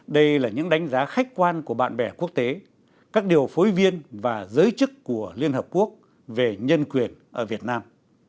đây là những đánh giá khách quan của bạn bè quốc tế các điều phối viên và giới chức của liên hợp quốc về nhân quyền ở việt nam